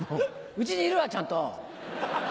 家にいるわちゃんと！